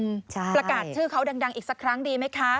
ประกาศชื่อเขาดังอีกสักครั้งดีไหมคะ